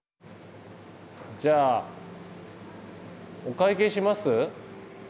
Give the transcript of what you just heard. じゃあお会計します？